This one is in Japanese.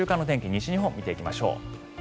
西日本を見ていきましょう。